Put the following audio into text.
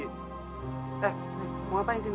eh mau ngapain sini